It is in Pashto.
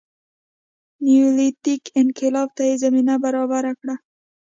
نیولیتیک انقلاب ته یې زمینه برابره کړه